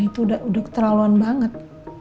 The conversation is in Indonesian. itu udah keterlaluan banget